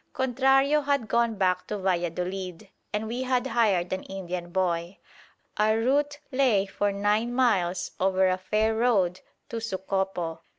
Contrario had gone back to Valladolid, and we had hired an Indian boy. Our route lay for nine miles over a fair road to Sucopo.